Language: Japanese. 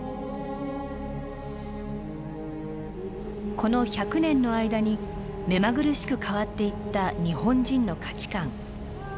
この１００年の間に目まぐるしく変わっていった日本人の価値観。